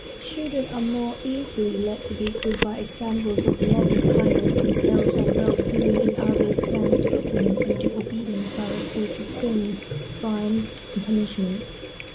Children are more easily led to be good by examples of loving kindness and tales of well doing in others than threatened into obedience by records of sin, crime, and punishment.